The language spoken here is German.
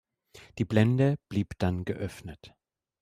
Die Blende blieb dann geöffnet.